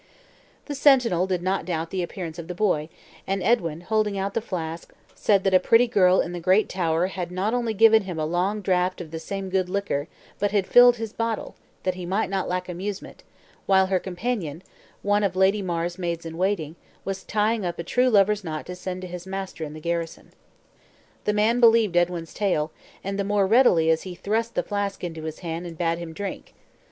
The sentinel did not doubt the appearance of the boy, and Edwin, holding out the flask, said that a pretty girl in the great tower had not only given him a long draught of the same good liquor but had filled his bottle, that he might not lack amusement, while her companion; one of Lady Mar's maids in waiting, was tying up a true lover's knot to send to his master in the garrison. The man believed Edwin's tale, and the more readily as he thrust the flask into his hand, and bade him drink.